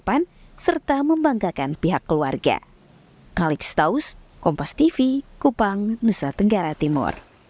pada tahun dua ribu dua puluh sonia berhasil mencapai kelas empat sd di bidang matematika